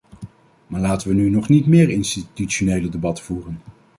Maar laten we nu niet nog meer institutionele debatten voeren.